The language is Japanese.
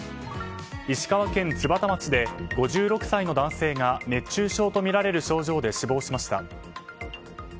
石川県津幡町で５６歳の男性が熱中症とみられる症状で死亡しました。